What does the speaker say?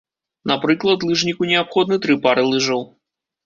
Напрыклад, лыжніку неабходны тры пары лыжаў.